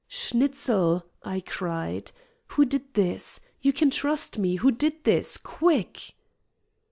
"Schnitzel!" I cried. "Who did this? You can trust me. Who did this? Quick!"